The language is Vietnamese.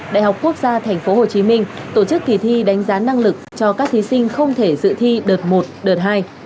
đại học quốc gia tp hcm tổ chức kỳ thi đánh giá năng lực cho các thí sinh không thể dự thi đợt một đợt hai